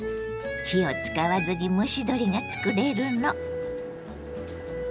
火を使わずに蒸し鶏が作れるの。